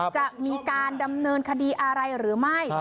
จะมีการดำเนินคดีอะไรหรือไม่